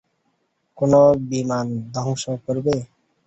কোন বিমান ধ্বংস করবে?